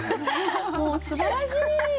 もうすばらしい！